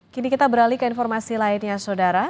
kini kita beralih ke informasi lainnya saudara